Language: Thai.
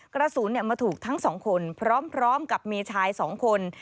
กระสุนมาถูกทั้งสองคนพร้อมกับมีชาย๒คน